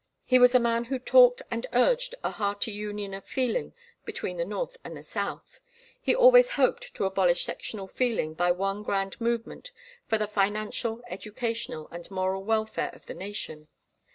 He was a man who talked and urged a hearty union of feeling between the North and the South. He always hoped to abolish sectional feeling by one grand movement for the financial, educational, and moral welfare of the Nation.